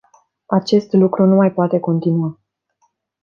Acest lucru nu mai poate continua.